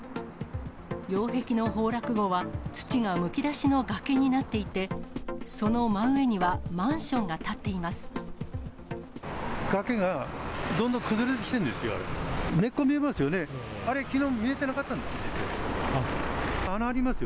擁壁の崩落後は、土がむき出しの崖になっていて、その真上にはマ崖がどんどん崩れてきてるんですよ。